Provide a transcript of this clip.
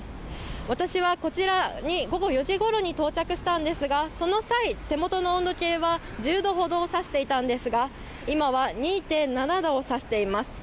私はこちらに午後４時ごろに到着したんですが、その際、手元の温度計は１０度ほどを差していたんですが、今は２．７度を指しています。